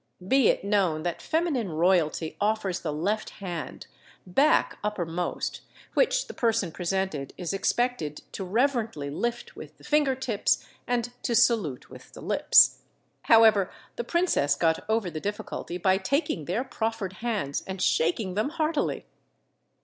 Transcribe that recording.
Be it known that feminine royalty offers the left hand, back uppermost, which the person presented is expected to reverently lift with the finger tips and to salute with the lips. However, the princess got over the difficulty by taking their proffered hands and shaking them heartily.